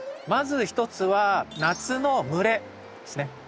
まず一つは夏の蒸れですね。